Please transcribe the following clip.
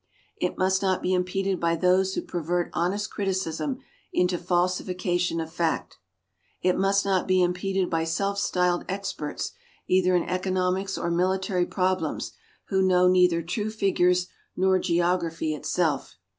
It must not be impeded by those who pervert honest criticism into falsification of fact. It must not be impeded by self styled experts either in economics or military problems who know neither true figures nor geography itself.